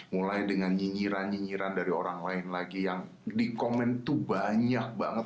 mulai dengan nyinyiran nyinyiran dari orang lain lagi yang di komen tuh banyak banget